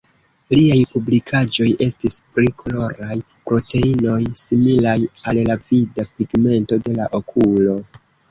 Liaj publikaĵoj estis pri koloraj proteinoj similaj al la vida pigmento de la okulo.